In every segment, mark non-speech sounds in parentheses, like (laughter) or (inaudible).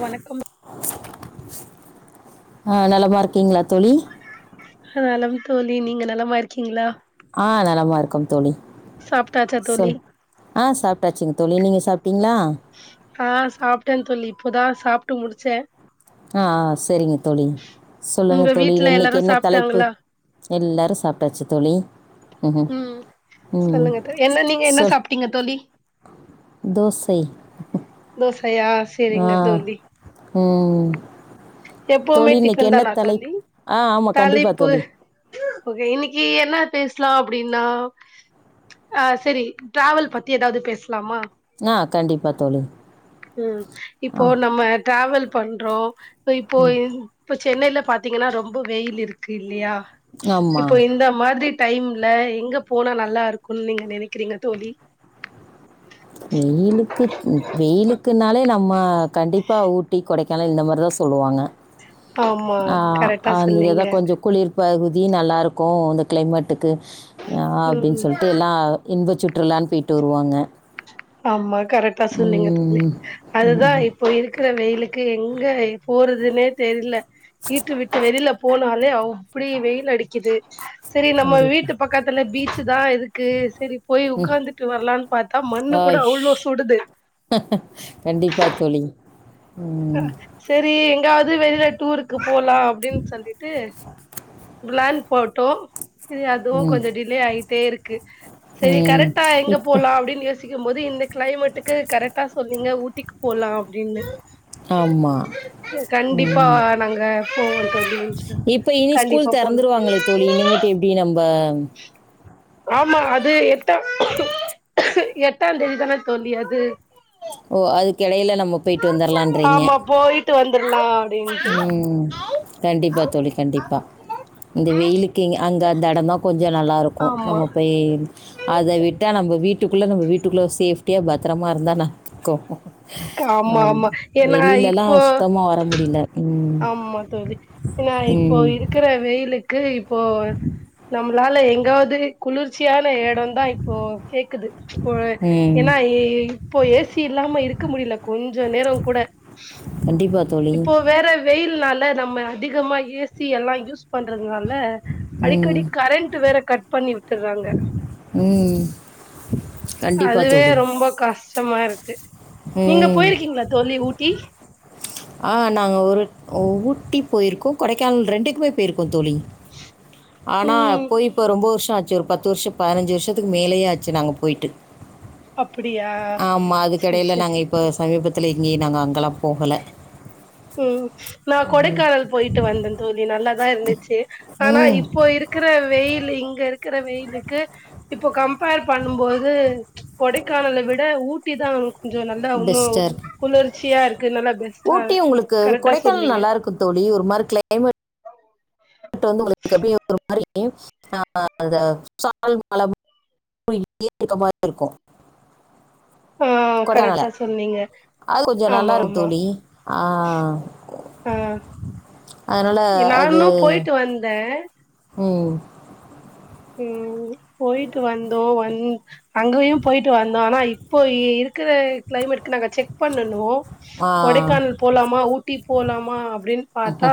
வணக்கம் (inaudible) அ நலமா இருக்கீங்களா தோலி நலம் தோலி நீங்க நலமா இருக்கீங்களா ஆ நலமா இருக்கோம் தோலி சாப்டாச்சா தோலி ஆ சாப்டாச்சுங்க தோலி நீங்க சாப் டீங்ளா ஆ சாப்ட்டேன் தோலி இப்பதா சாப்ட்டு முடிச்சேன் ஆ ஆ சரிங்க தோலி சொல்லுங்க உங்க தோலி வீட்ல இன்னைக்கு எல்லாரு என்ன தலைப்பு சாப்ட்டாங்களா எல்லாரு சாப்ட்டாச்சு தோழி ம்ஹும் உம் ம் சொல்லுங்க தோழி என்ன நீங்க என்ன சொல் சாப்ட்டீங்க தோழி தை தஸ் அப்டியா சேரிங்க தோழி உம் எப்பவுமே டிஃபன் தானா தோழி ஆ ஆமாம் கண்டிப்பாக தலைப்பு தோழி ஓகே இன்னைக்கு என்ன பேசலா அப்டின்னா அ செரி டிராவல் பத்தி ஏதாவது பேசு -லாமா ஆ கண்டிப்பாக தோழி உம் இப்போ ஆ நம்ம டிராவல் பண்றோ இப்ப இப்போயின் இப்ப சென்னைல பாத்தீங்கன்னா ரொம்ப வெயில் இருக்கு இல்லையா இப்போ ஆமாம் இந்த மாதிரி டைம்ல எங்க போனா நல்லா இருக்கும் நீங்க நெனைக்கிறீங்க தோழி வெயிலுக்கு வெயிலுக்குனாலே நம் மா கண்டிப்பா ஊட்டி கொடைக் (unintelligible) இந்த மாதிரி தான் சொல்லுவாங்க ஆமா ஆஹ் கரெக்டா அந்த சொன்னீங்க ஏதா கொஞ்சோ குளிர் பகுதி நல்லா இருக்கூ அந் கிளைமேட்டுக்கு அப்டின்னு ம் சொல்லிட்டு எல்லாம் இன்ப சுற்றுலான்னு போயிட்டு வருவாங்க ஆமா கரெக்டா சொன்னீங்க தோழி உம் அதுதான் உம் இப்போ இருக்கிற வெயிலுக்கு எங் எங்க போறதுன்னே தெர்ல வீட்டு விட்டு வெளியில போனாலே அப்டி வெயில் அடிக்கிது செரி நம்ம கண்டிப்பா வீட்டு பக்கத்துல பீச்சு தான் இருக்கு செரி போய் உட்கார்ந்துட்டு வரலான்னு பார்த்தா மண்ணு ஆயிஷ் அவ்ளோ சுடுது கண்டிப்பா தோழி ம் சேரி எங்காவது வெளில டூருக்கு போலாம் அப்படின்னு சொல்லிட்டு பிளான் போட்டோ செரி அதுவும் ம் கொஞ்சோ டிலே ஆகிட்டே இருக்கு செரி ம் கரெக்டா எங்க இப்போ போலா அப்டின்னு யோசிக்க போது இந்த கிளைமேட்டுக்கு கரெக்டா சொன்னீங்க ஊட்டிக்கு போலாம் அப்டின்னு ஆமாம் கண்டிப்பா ம் நாங்க போவோ இப்போ இனி தோழி ஸ்கூல் கண்டிப்பா போனு திறந்துடுவாங்களே தோழி இன்னிமேட்டு எப்டி நம் அ ஆமா அது எட்ட எட்டாம் தேதி தானே தோழி அது ஓ அதுக்கிடையில நம்ம நம்ம போயிட்டு வந்துரலான்றீங்க ட்டு வந்துடுலாம் உம் கண்டிப்பா தோழி கண்டிப்பா இந்த வெயிலுக்கு அங்க அந்த இடமா கொஞ்சம் நல்லாயிருக்கும் ஆமா நம்ம போய் அதை விட்டால் நம்ம வீட்டுக்குள்ளே நம்ம வீட்டுக்குள்ளே சேஃப்டியாக பத்திரமா இருந்தால் நல்லாயிருக்கும் ஆமா ஆ ஆமா ஏன்னா வெளிலெ ல்லாம் இப்போ சுத்தமா வர முடியல ம். ஆமா தோழி ஏன்னா இப்போ ம். இருக்கிற வெயிலுக்கு போ நம் அதால எங்காவது குளிர்ச் ச்சியான இடம் தான் இப்போ கேக்குது போல் ம். ஏன்னா இப்போ ஏசி இல்லாம இருக் கொஞ்சம் நேரம் கூட கண்டிப்பா தோழி. இப்போ வேற வெயில்னால் ப்ப நம்ம அதிகமா ஏசி எல்லாம் யூஸ் பண் பண்றதுனால அடிக்கடி கரண்ட் வேற கட் பண்ணி விட் உம் அதுவே ரொம்ப கஷ் கஷ்டமா இருக்கு நீங்க ம். போயிருக்கீங்களா தோழி ஊட்டி ஆஹ் நாங்க ஒரு ஊட்டி போயிருக்கோம் கொடைக்கானல் ரெண்டுக்குமே பெய்ருக்கோம் தோழி ஆனா ம் போய் இப்ப ரொம்ப வருஷ் ஆச்சு ஒரு பத்து வருஷம் பதினஞ்சு வருஷத்துக்கு மேலேயே ஆச்சு நாங்க போயிட்டு அப்படியா ஆமா செரி அதுக்கெடையில செரி நாங்க இப்ப சமீபத் பத்துல எங்கேயும் நாங்க அங்கலாம் போகல உம் நான் கொடைக்கானல் போயிட்டு வந்தன் தோழி நல்லா லா இருந்துச் ஆனா ம் இப்போ இருக்கிற வெயில் இங்க இருக்கிற வெயிலுக்கு இப்ப கம்பேர் பண்ணும்போது கொடைக்கானல விட ஊட்டி தான் கொஞ்சம் நல்லா உன்னும் பெஸ்ட்டாக இருக்கு குளிர்ச்சியா இருக்கு நல்லா பெஸ்ட்டா ஊட்டி உங்களுக்கு கரெக்டா கொடைக்கானல் சொன்னீங்க நல்லா இருக்கும் தோழி ஒரு மாதிரி கிளைமேட் ட் வந்து உங்களுக்கு அப்படியெ ஒரு மாரி ஆஹ் ஆஹ் அந்த சாரல் மழ (inaudible) இருக்க மாரி இருக்கும் ஆஹ் கொடைக்கானல கரெக்டா சொன்னீங்க அது கொஞ்சம் நல்லா ஆமா இருக்கும் ஆமா தோழி ஆ ஆஹ் அதனால நானும் போயிட்டு வந்தேன் உம் உம் பொயிட்டு வந்தோம் வந் அங்கயும் போயிட்டு வந்தோம் ஆனா இப் இப்போ இருக்கிற கிளைமேட் நாங்க செக் பண்ணுனோம் ஆ கொடைக்கானல் போலாமா ஊட்டி போலாமா அப்டின்னு பாத்தா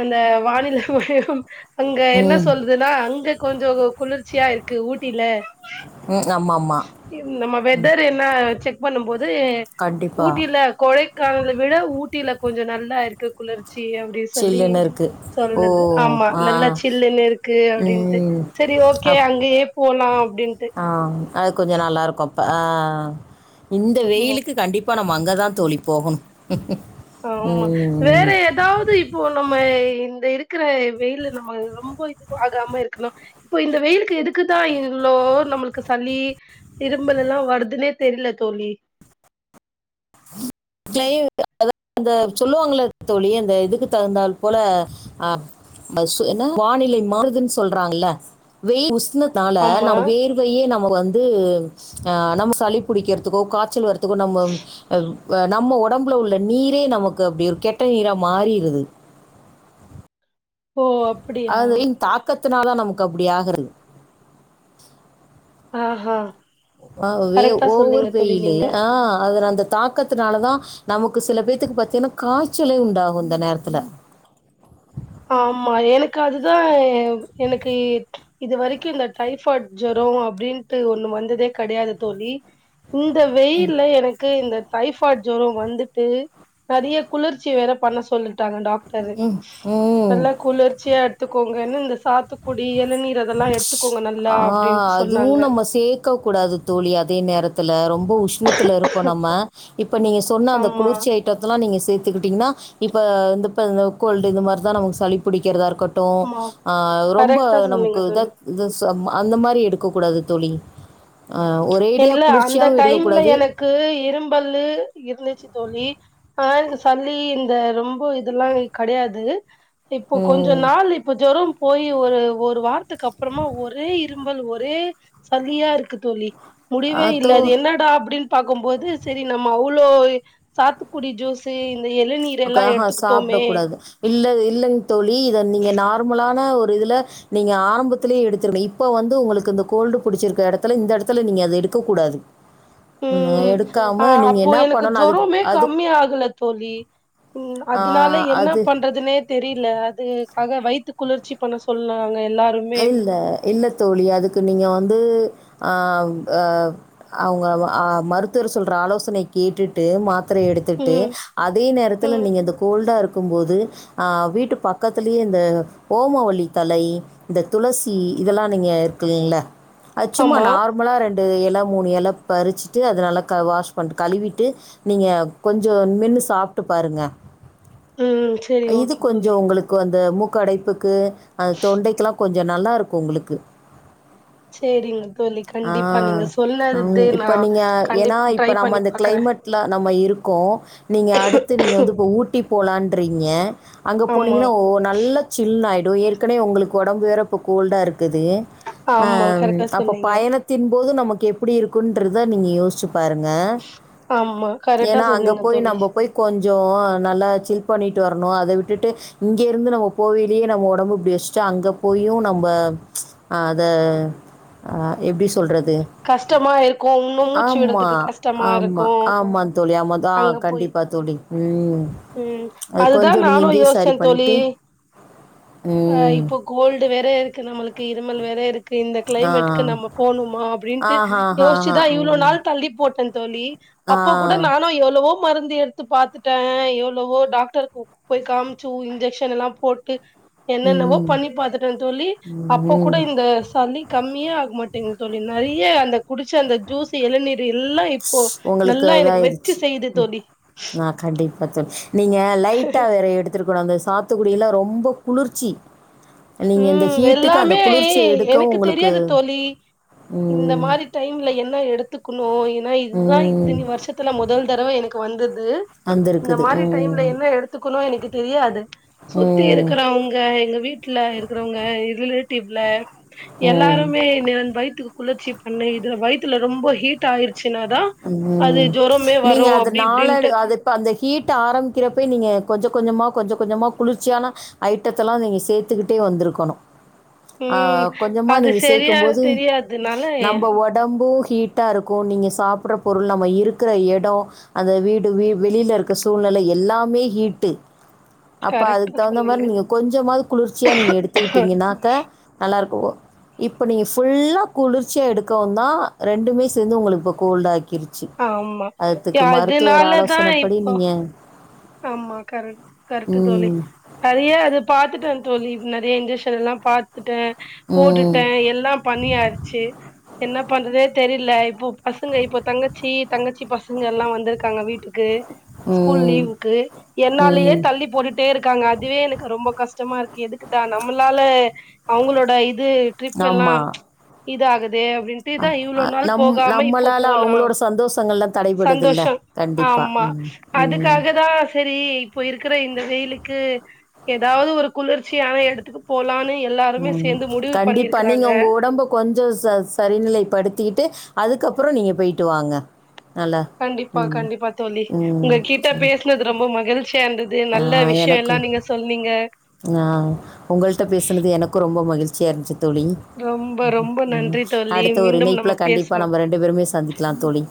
அந்த வானில சுவயம் அங்க என்ன ம் சொல்றதுன்னா அங்க கொஞ்சம் குளிர்ச்சியா இருக்கு ஊட்டில ம் ஆமாம் ஆமாம் நம்ம வெதர் என்ன செக் பண்ணும் போது கண்டிப்பாக ஊட்டில கொடைக்கானல விட ஊ ட்டில கொஞ்சம் நல்லா இருக்கு குளிர்ச்சி அப்படின்னு சொல்லி சில்லுன்னு இருக்கு ஓ சொல்லுது ஆமா ஆ நல்லா சில்லுனு இருக்கு அப்படின்ட்டு ம் சரி ஓகே அப் அங்கயே போலாம் அப்படின்ட்டு ஆ அது கொஞ்சம் நல்லாயிருக்கும் ஆ இந்த ஆமா வெயிலுக்கு கண்டிப்ப இப்ப நம்ம அங்கதான் தோழி போகணும் ஆமா வேற ஏதாவது போ நம்ம இந்த இருக்கிற வெயில நம்ம ரொம்ப இது ஆகாம இருக்கணும் இப்போ இந்த வெயிலுக்கு எதுக்குதான் இல்லோ நம்மளுக்கு சளி இரும்பல் எல்லாம் வருதுன்னே தெரியல தோழி அதாவ அந்த சொல்லுவாங்கள தோழி அந்த இதுக்கு தகுந்தால் போல அஹ் என்ன வானிலை மாறுதுன்னு சொல்றாங்களய னால ஆமா நம்ம வேர்வையே நம்ம வந்து நம்ம சளி பிடிக்கிறதுக்கோ காய்ச்சல் வ த்துக்கும் நம்ம அஹ் நம்ம உடம்புல உள்ள நீரே நமக்கு அப்படி ஒரு கெட்ட நீரா மாறிருது ஓ அப்படியா பத்துனாதான் நமக்கு அப்படி ஆகுறது ஆஹா ஆ கரெக்டா ஒவ்வொரு சொன்னீங்க தோழி வெயிலு நீங்க ஆஹ் அல அந்த தாக்கத்தனால தான் நமக்கு சில பேத்தக்கு பத்தீங்கன்னா காய்ச்சலே உண்டாகும் இந்த நேரத்தில ஆமா எனக்கு அதுதான் எனக்கு இது வரைக்கும் இந்த டைபாய்ட் ஜொரம் அப்படின்ட்டு ஒண்ணு வந்ததே கிடையாது தோழி இந்த வெயில எனக்கு இந்த டைபாய்ட் ஜொரம் வந்துட்டு நிறைய குளிர்ச்சி வேற பண்ண சொல்லிட்டாங்க டாக்டர் ஹ் உம் நல்லா குளிர்ச்சியா துக்கோங்கனு இன்ஸ் நல்லா ஆஹ் அப்டின்ட்டு சொன்னாங்க. அதுவும் நம்ம சேக்க கூடாது தோழி அதே நேரத்துல ரொம்ப உஷ்ணத்துல இருக்கு நம்ம இப்ப நீங்க சொன்ன அந்த ஆமா, குளிர்ச்சி ஐட்டத்தல்லாம் நீங்க சேர்த் க்கிட்டீங்கன்னா இப்ப இந்த கோல்டு இது மாதிரி தான் நமக்கு சளி பிடிக்கிறதா இருக்கு கட்டும் ஆமா. ரொம்ப கரெக்ட்டா ஹ நமக்கு சொன்னீங்க தோழி. இத இதஸ் ஸ் அந்த மாரி எடுக்கக்கூடாது தோழி. ஆ ஒரேடியா என்ல்ல அந்த குளிர்ச்சியாவும் டைம்ல எடுக்கக்கூடாது. எனக்கு இரும்பல்லு இருந்துச்சு தோழி ஆஹங்க சல்லி இந்த ரொம்ப இதெல்லாம் கிடையாது. இப்போ கொஞ்ச ம். நாள் இப்ப ஜொரம். போய் ஒரு ஒரு வார். க்கு அப்புறமா ஒரே இரு ம்பல் ஒரே சல்லியா இருக்கு தோழி. ஆ முடிவே தோ இல்லது. என்னடா அப்படின் பாக்கும்போது சரி நம்ம அவ்வளோ சாத்துக்குடி ஜூஸு இந்த இளநீர் எல்லா க்ஹஹ எடுத்துக்கிட்டோமே சாப்பிடக்க கூடாது. இல்ல இல்லங் தோழி இத நீங்க நார்மலான ஒரு இதுல நீங்க ஆரம்பத்திலே எடுதர்னு. இப்ப வந்து உங்களுக்கு இந்த கோல்டு பிடிச்சிரு இடத்துல இந்த இடத்துல நீங்க அத எடுக்க கூடாது. உம் ஆஹ் அப்போ என்ன எனக்கு பண்ணணும் அதுக்கு ஜொரமே அது கம்மி ஆகல தோழி. உம் ஆ அதனால என்ன அது பண்றதுனே தெரியல. அது க்காக வைத்து குளிர்ச்சி பண்ண சொன்னாங்ளே (unintelligible) இல்ல தோழி அதுக்கு நீங்க வந்து ஆஹ் ஹ அவங்க மருத்துவர் சொல்ற ஆலோசனை கேட்டுட்டு மாத் மாத்தற எடுத்துட்டு ம் அதே நேரத்தில ம் நீங்க அந்த கோல்டா இரு இருக்கும்போது அஹ் வீட்டு பக்கத்தலயே இந்த ஓமவல்லி தலை இந்த துளசி இதெல்லாம் நீங்கள் இருக்குலைங்க அ சும்மா ஆமா நார்மலா ரெண்டு ண்டு இல மூணு இலை பறிச்சுட்டு அதனல்லா வாஷ் பண்ணிட்டு கழுவிட்டு நீங்க கொஞ்சம் மென்னு சாப்பிட்டு பாருங்க. உம் செரி ஓகே தோழி. து மூக்க அடைப்புக்கு தொண்டைக்குல்லாம் கொஞ்சோ நல்லா இருக்கும் உங்களுக்கு சேரிங்க தோழி கண்டிப்பா ஆஹ் நீங்க சொன்னது உஹம் நா இப்ப நீங்க ஏன்னா கண்டிப்பா இப்ப ட்ரை நம்ம பண்ணி அந்த பாக்குறே கிளைமேட்ல நம்ம இருக்கோம் நீங்க அடுத்து நீங்க வந்து இப்ப ஊட்டி போலான் றிங்க அங்க ஆமா போனீங்கன்னா ஓ நல்ல சில் ஆயி டு ஏற்கனவே உங்களுக்கு உடம்பு வேற இப்ப கோல்டா இருக்கு. க்குது ஆ ஆமா கரெக்டா அப்ப சொன்னீங்க பயணத்தின் போது நமக்கு எப்படி இருக்குன்றத நீங்கயோசுச்சு பாருங்க ஆமா கரெக்டா ஏன்னா அங்க சொன்னீங்க போய் தோழி நம்ம போய் கொஞ் கொஞ்சோ நல்லா சில் பண்ணிட்டு வரணும் அதை விட்டுட்டு இங்கேருந்து நம்ம போகையிலயே நம்ம உடம்பு இப்படி வச் ச்சு அங்க போயும் நம்ம ச்சு அத எப்படி சொல்றது கஷ்டமா இருக்கு இன்னு மூச்சு ஆமா விடுறதுக்கு கஷ்டமா ஆமா இருக்கு ஆமா தோழி ஆமா ஆ அங்க போய் கண்டிப்பா தோழி உ ம் ச்சு அதுதா கொஞ்சோ நீங்க நானு எங்கய யோசிச்சே சரி தோழி பண்ணட்டு உ அ இப்போ கோல்டு வேற இருக்கு நம்மளுக்கு இருமல் வேற இருக்கு இந்த ஆ. கிளைமேடக்கு நம்ம போணுமா அப்பின்ட்டு ஆஹாஹாஹா! யோசிச்சுதான் இவ்வளவு ம். நாள் தள்ளி போ போட்டன் தோழி ஆ. அப்போ கூட நானும் எவ்வளவோ மருந்து எடுத்து பாத்துட்டேன் எவ்வளவோ டாக்டருக்கு போய் காமிச்சு ஊ இன்ஜெக்ஷன் எல்லா போட்டு என்னென்னவோ ம். பண்ணி பாத்துட்டேன்னு தோழி அப்போ கூட ம். இந்த சளி கம்மியே ஆகமாட்டேங்கன்னு தோழி அந்த குடி ச்ச அந்த ஜூஸ் எளநீர் எல்லா இப்போ உங்களுக்கு நல்லா எனக்கு வச்சு இதாயிருச்சு. செய்யுது ம். தோழி ஆ (unintelligible) நீங்க லைட்டா வேற எடுத்துருக் ட அந்த சாத்துக்குடி எல்லா ரொம்ப குளிர்ச்சி நீங்க இந்த உம் ஹீட்டுக்கு அந்த எல்லாமே குளிர்ச்சிய எடுக்கவும் எனக்கு உங்களுக்கு தெரியாது தோழி இந்த ம். மாரி டைம்ல என்ன எடுத்துக்கணும் இதுதான் ம். இத்தனி வருஷத்துல முதல் தடவை எனக்கு வந்து ந்து இந்த வந்திருக்குது. மாரி டைம்ல ம். என்ன எடுத்துக்கணும் எனக்கு தெரியாது சுத்தி ம். இருக்கற அவங்க எங்க வீட்டு வீட்டுல இருக்கிறவங்க இருலு டீப்ல ம். எல்லாருமே (unintelligible) டுகு குளிர்ச்சி பண்ணே இதுல வயுத்துல ரொம்ப ஹீட் ஆயிர் உம் நீங்க வரு அது அப்டி நாளடு இப்டின்ட்டு அது ப்ப அந்த ஹீட் ஆரம்பிக்றப்பய் நீங்க கொஞ்சொ கொஞ்சமா கொஞ்சொ கொஞ்சமாக குளிர்ச்சியான ஐட்டத்தெல்லா நீங்க சேத்துக்கிட்டே வந்துருக்கணு ம் ஆஹ் கொஞ்சமா அது நீங்க சரியா சேக்கும் போது தெரியாதுனால நம்ப ஒடம்பூ ஹீட்டாருக்கு நீங்கஸ் சாப்புட்ற பொருள் நம்ம இருக்குற எடொ அந்த வீடு வி வெளியில இருக்க சூழ்நில எல்லாமே ஹீட்டு அப்போ அதுக்கு கரெக்டா தகுந்த மாரி சொன்னீங்க நீங்க கொஞ்சமாவது குளிர்ச்சியா நீங்க எடுத்துக்கிட்டீங்கனாக்க நல்லாருக்கு இப்ப நீங்க ஃபுல்லா குளிர்ச்சியா எடுக்கவுந்தா ரெண்டுமே சேந்து உங்களுக்குப்பொ கோல்டாக் கிருச்சு ஆமா அதுக்கு மருத்துவர் அதனாலதா ஆலோசனப்படி இப்போ நீங்க ஆமா கரட் கரட்டு தோழி சரியா அது பாத்துட்டு வந் தோழி நெறைய இன்ஜசனெல்லா பாத்துட்டே ம் போட்டுட்டே எல்லா பண்ணியாச்சி என்ன பண்றதே தெரில இப்பொ பசங்க இப்பொ தங்கச்சி தங்கச்சி பசங்க எல்லா வந்திருக்காங்க வீட்டுக்கு ஸ்கூல் உம் லீவுக்கு என்னாலயே தள்ளி போட்டுட்டே இருக்காங்க அதுவே எனக்கு ரொம்ப கஷ்டமா இருக்கு எதுக்குடா நம்மளால அவங்களோட இது ட்ரிப் எல்லா ஆமாம் இதாகத் அ அ நம் இப்போ நம்மளால போலா அவங்களோட சந்தோஷங்கள்லா தடைபடுதுல்ல சந்தோஷம் கண்டிப்பா ஆமா ம் உம் அதுக்காக தா செரி இப்பொ இருக்குற இந்த வெயிலுக்கு ஏதாவது ஒரு குளிர்ச்சியான எடத்துக்கு போலான் உம் கண்டிப்பா நீங்க உங்க உடம்ப கொஞ்ச ச சரிநிலைப்படுத்திட்டு அதுக்கப்புறொ நீங்க பொயிட்டு வாங்க நல்லா. கண்டிப்பா ம். கண்டிப்பா தோழி ம். உங்க கிட்ட பேசுனது ரொம்ப மகிழ்ச்சியா இந்த து நல்ல விஷயொ எல்லா நீங்க சொன்னிங்க ஆஹ் உங்கள்ட்ட பேசுனது எனக்கு ரொம்ப மகிழ்ச்சியா இருந்ச்சி தோழி ரொம்ப ரொம்ப நன்றி தோழி அடுத்த ஒரு மீண்டும் இணைப்ல நம்ம கண்டிப்பா பேசுவோம் நம்ம ரெண்டு பேருமே சந்திக்லா தோழி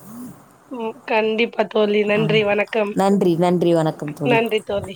ம் கண்டிப்பா தோழி ஆ நன்றி வணக்கம் நன்றி நன்றி வணக்கம் தோழி நன்றி தோழி